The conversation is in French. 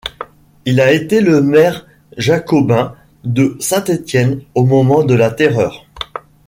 Il a été le maire jacobin de Saint-Étienne au moment de la Terreur.